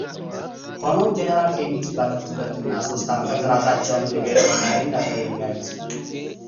ሆኖም ጄነራል ሄምቲ ባለፉት ሁለት እና ሶስት አመታት ራሳቸውን እንደ ብሄራዊ መሪም ነበር የሚያዩት